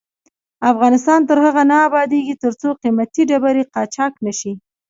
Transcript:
افغانستان تر هغو نه ابادیږي، ترڅو قیمتي ډبرې قاچاق نشي.